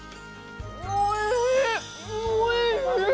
おいしい！